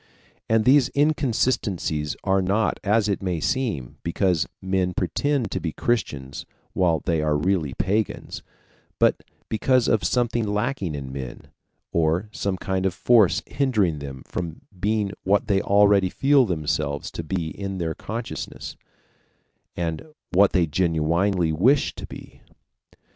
And these inconsistencies are not, as it might seem, because men pretend to be Christians while they are really pagans, but because of something lacking in men, or some kind of force hindering them from being what they already feel themselves to be in their consciousness, and what they genuinely wish to be.